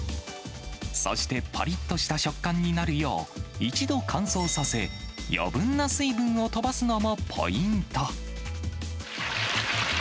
そしてぱりっとした食感になるよう、一度乾燥させ、余分な水分を飛ばすのもポイント。